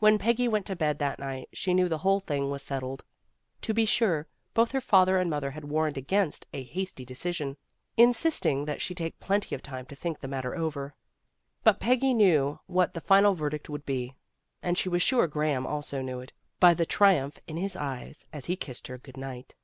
When Peggy went to bed that night she knew the whole thing was settled. To be sure, both her father and mother had warned her against a hasty decision, insisting that she take plenty of time to think the matter over. But Peggy knew what the final verdict would be, and she was sure Graham also knew it, by the triumph in his eyes as he kissed her good night.